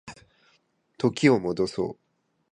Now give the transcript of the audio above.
時を戻そう